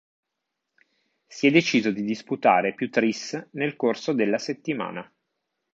Si è deciso di disputare più Tris nel corso della settimana.